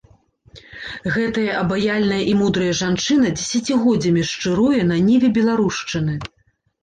Гэтая абаяльная і мудрая жанчына дзесяцігоддзямі шчыруе на ніве беларушчыны.